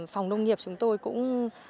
phòng nông nghiệp chúng tôi cũng